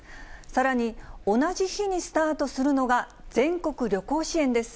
さらに、同じ日にスタートするのが全国旅行支援です。